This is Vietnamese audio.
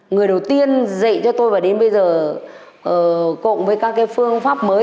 người đầu tiên dạy cho tôi và đến bây giờ cộng với các cái phương pháp mới